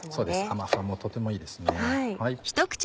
甘さもとてもいいですね。